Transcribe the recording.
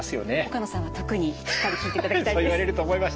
岡野さんは特にしっかり聞いていただきたいです。